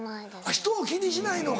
ひとを気にしないのか。